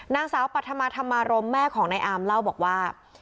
นางสาวปัธมาธรรมารมแม่ของนายอามเล่าบอกว่า